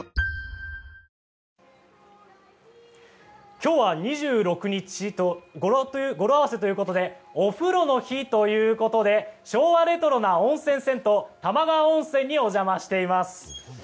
今日は２６日語呂合わせということでお風呂の日ということで昭和レトロな温泉銭湯玉川温泉にお邪魔しています。